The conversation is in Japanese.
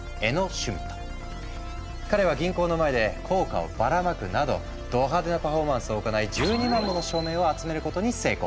彼は銀行の前で硬貨をばらまくなどど派手なパフォーマンスを行い１２万もの署名を集めることに成功。